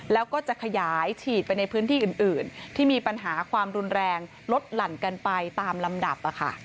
แล้วก็จะขยายฉีดไปในพื้นที่อื่นที่มีปัญหาความรุนแรงลดหลั่นกันไปตามลำดับ